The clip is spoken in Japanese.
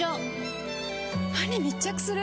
歯に密着する！